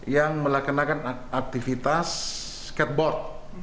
yang melakukan aktivitas skateboard